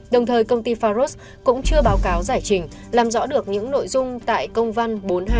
đồng thời công ty pharos cũng chưa báo cáo giải trình làm rõ được những nội dung tại công văn bốn nghìn hai trăm chín mươi tám